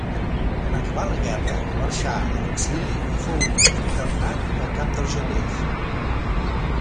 En acabar la guerra marxà a l'exili i fou internat al camp d'Argelers.